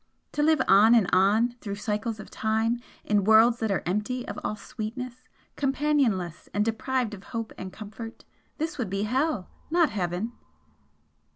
To live on and on through cycles of time in worlds that are empty of all sweetness, companionless and deprived of hope and comfort this would be hell! not heaven!"